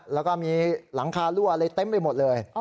แล้วก็มีหลังคารั่วเลยติ๊มไปหมดเลย